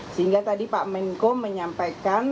sehingga tadi pak menko menyampaikan